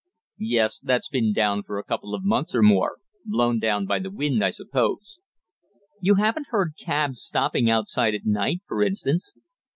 "Yes, that's been down for a couple of months or more blown down by the wind, I suppose." "You haven't heard cabs stopping outside at night, for instance?"